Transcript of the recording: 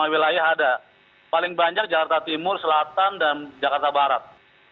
lima wilayah ada paling banyak jakarta timur selatan dan jakarta barat